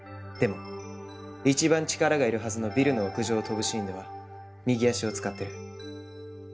でも一番力がいるはずのビルの屋上を跳ぶシーンでは右足を使ってる。